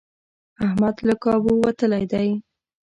احمد له کابو وتلی دی.